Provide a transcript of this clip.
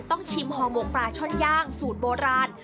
ต้องชิมหอมโหมกปลาช่อนย่างสูตรโบราณ